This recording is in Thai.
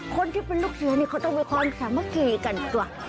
คนที่เป็นลูกเสือนี่เขาต้องมีความสามัคคีกันจ้ะ